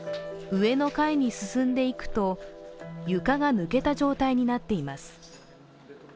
上の階に進んでいくと、床が抜けた状態になっています。